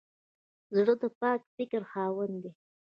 زړه د پاک فکر خاوند دی.